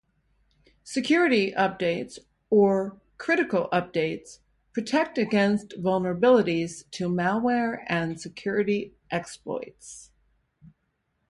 "Security updates" or "critical updates" protect against vulnerabilities to malware and security exploits.